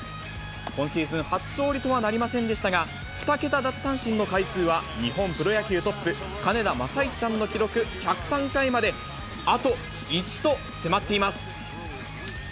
今シーズン初勝利とはなりませんでしたが、２桁奪三振の回数は、日本プロ野球トップ、金田正一さんの記録１０３回まであと１と迫っています。